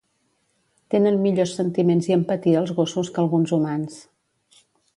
Tenen millors sentiments i empatia els gossos que alguns humans